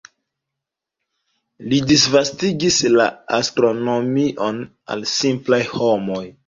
Li disvastigis la astronomion al simplaj homoj.